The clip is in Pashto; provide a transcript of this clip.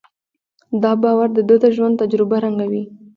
دا باور د ده د ژوند تجربه رنګوي.